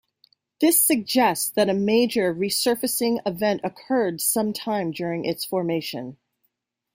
This suggests that a major resurfacing event occurred some time during its formation.